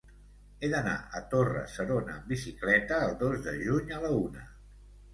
He d'anar a Torre-serona amb bicicleta el dos de juny a la una.